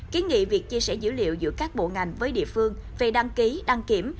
ký nghị việc chia sẻ dữ liệu giữa các bộ ngành với địa phương về đăng ký đăng kiểm